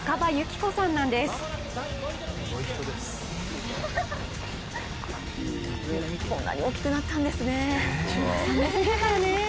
こんなに大きくなったんですね。